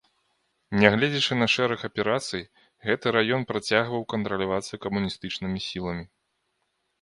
Нягледзячы на шэраг аперацый, гэты раён працягваў кантралявацца камуністычнымі сіламі.